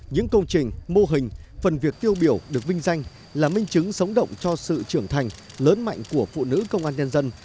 những công trình mô hình phần việc tiêu biểu được vinh danh là minh chứng sống động cho sự trưởng thành lớn mạnh của phụ nữ công an nhân dân